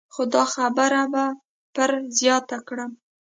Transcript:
خو دا خبره به پر زیاته کړم.